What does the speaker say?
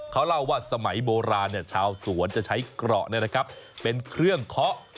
เขาเล่าว่าสมัยโบราณชาวสวนจะใช้เกราะเป็นเครื่องเคาะ